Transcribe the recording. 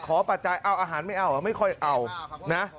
ปัจจัยเอาอาหารไม่เอาไม่ค่อยเอานะ